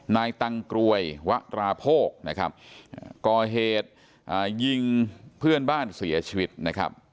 ตังกรวยวะตราโภคนะครับก่อเหตุยิงเพื่อนบ้านเสียชีวิตนะครับ